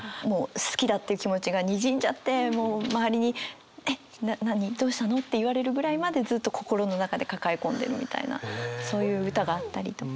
好きだっていう気持ちがにじんじゃってもう周りに「えっ何？どうしたの？」って言われるぐらいまでずっと心の中で抱え込んでるみたいなそういう歌があったりとか。